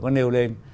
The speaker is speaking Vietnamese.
có nêu lên